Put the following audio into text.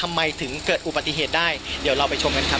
มุ่งหน้าเพื่อที่จะไปวัดบัปนักนะครับ